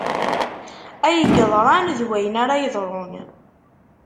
Ay yeḍran d wayen ara yeḍrun